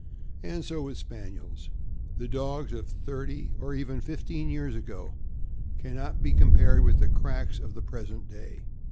And so with Spaniels. The dogs of thirty, or even fif teen, years ago can not be compared with the cracks of the present day.